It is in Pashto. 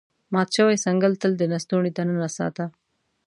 مات شوی څنګل تل د لستوڼي دننه ساته.